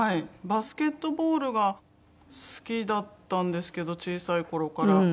バスケットボールが好きだったんですけど小さい頃から。